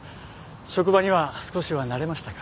職場には少しは慣れましたか？